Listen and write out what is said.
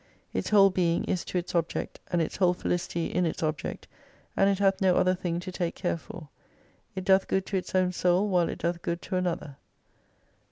Its whole being is to its object, and its whole felicity in its object, and it hath no other thing to take care for. It doth good to its own soul while it doth good to another.